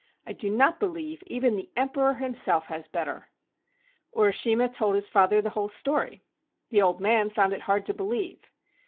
I do not believe even the Emperor him¬ self has better." Urishima told his father the whole story. The old man found it hard to believe.